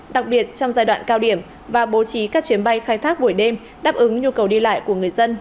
đặc biệt trong giai đoạn cao điểm và bố trí các chuyến bay khai thác buổi đêm đáp ứng nhu cầu đi lại của người dân